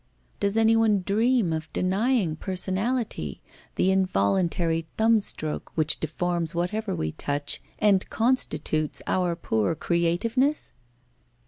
Does any one dream of denying personality, the involuntary thumb stroke which deforms whatever we touch and constitutes our poor creativeness?